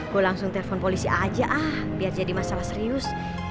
gue langsung telfon polisi aja biar jadi masalah serius